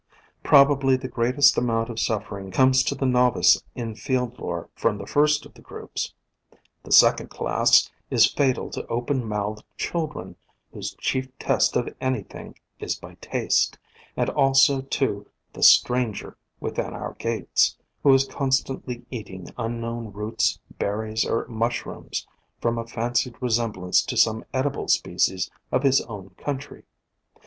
Prob ably the greatest amount of suffering comes to the novice in field lore from the first of the groups. The second class is fatal to open mouthed children whose chief test of anything is by taste, and also to the "stranger within our gates," who is constantly eating unknown roots, berries, or mushrooms from a fancied resemblance to some edible species of his own country.